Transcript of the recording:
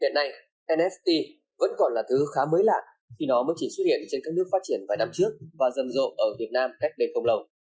hiện nay nst vẫn còn là thứ khá mới lạ khi nó mới chỉ xuất hiện trên các nước phát triển vài năm trước và rầm rộ ở việt nam cách đây không lâu